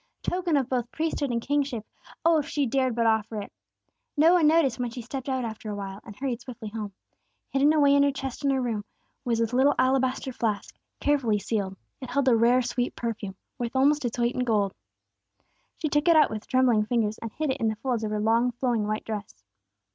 Token of both priesthood and kingship, oh, if she dared but offer it! No one noticed when she stepped out after awhile, and hurried swiftly homeward. Hidden away in a chest in her room, was a little alabaster flask, carefully sealed. It held a rare sweet perfume, worth almost its weight in gold. She took it out with trembling fingers, and hid it in the folds of her long flowing white dress.